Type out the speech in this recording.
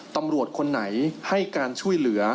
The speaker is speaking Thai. ตำรวจคนไหนให้การช่วยเหลือ